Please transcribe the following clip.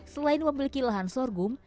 selain memiliki lahan sorghum